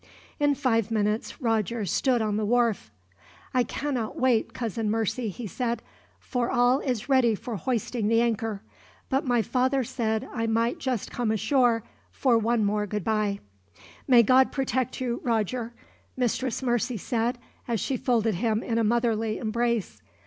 In five minutes, Roger stood on the wharf. "I cannot wait, Cousin Mercy," he said, "for all is ready for hoisting the anchor; but my father said I might just come ashore, for one more goodbye." "May God protect you, Roger," Mistress Mercy said, as she folded him in a motherly embrace.